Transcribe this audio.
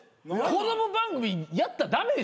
子供番組やったら駄目でしょ。